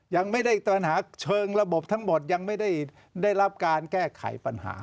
ยังไม่ได้ปัญหาเชิงระบบทั้งหมดยังไม่ได้รับการแก้ไขปัญหา